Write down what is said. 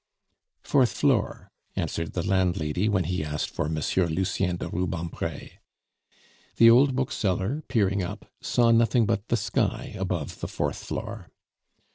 "Fourth floor," answered the landlady, when he asked for M. Lucien de Rubempre. The old bookseller, peering up, saw nothing but the sky above the fourth floor.